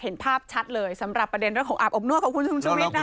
เห็นภาพชัดเลยสำหรับประเด็นเรื่องของอาบอบนวดของคุณชุมชุวิตนะคะ